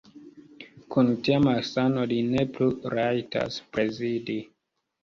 Kun tia malsano li ne plu rajtas prezidi!